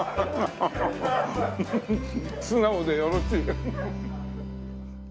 素直でよろしい。